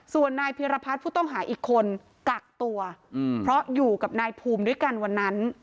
ส่วนนายพิรพัฒน์ผู้ต้องหาอีกคนกักตัวเพราะอยู่กับนายภูมิด้วยกันวันนั้น